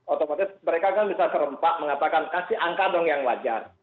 otomatis mereka kan bisa serempak mengatakan kasih angka dong yang wajar